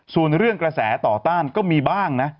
ส่วนเรื่องกระแสต่อต้านก็มีบ้างนะ